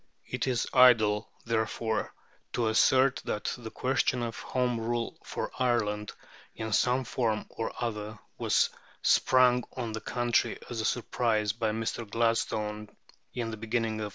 It is idle, therefore, to assert that the question of Home Rule for Ireland, in some form or other, was sprung on the country as a surprise by Mr. Gladstone in the beginning of 1886.